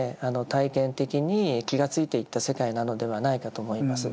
体験的に気がついていった世界なのではないかと思います。